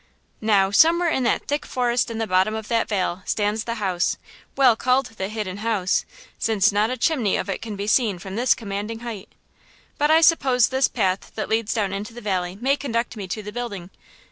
"Now, somewhere in that thick forest in the bottom of that vale, stands the house–well called the Hidden House, since not a chimney of it can be seen from this commanding height! But I suppose this path that leads down into the valley may conduct me to the building!